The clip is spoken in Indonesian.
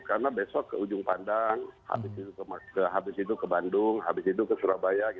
karena besok ke ujung pandang habis itu ke bandung habis itu ke surabaya